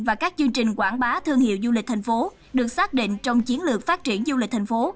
và các chương trình quảng bá thương hiệu du lịch thành phố được xác định trong chiến lược phát triển du lịch thành phố